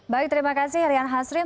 baik terima kasih rian hasrim